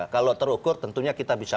kalau terukur tentunya kita bisa